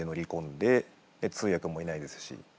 で通訳もいないですし。